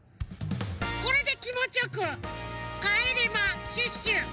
これできもちよくかえれまシュッシュ！